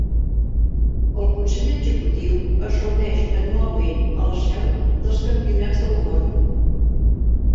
El Consell executiu es reuneix anualment a la seu dels Campionats del món.